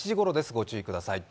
ご注意ください。